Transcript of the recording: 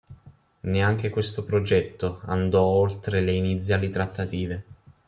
Neanche questo progetto andò oltre le iniziali trattative.